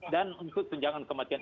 dan untuk penjagaan kematian